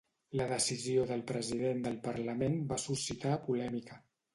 La decisió del president del parlament va suscitar polèmica.